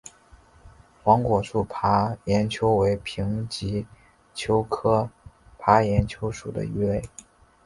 黄果树爬岩鳅为平鳍鳅科爬岩鳅属的鱼类。